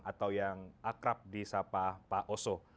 atau yang akrab di sapa pak oso